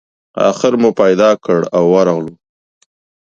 آخر مو پیدا کړ او ورغلو.